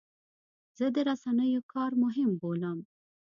زه د رسنیو کار مهم بولم.